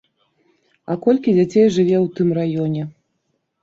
А колькі дзяцей жыве ў тым раёне.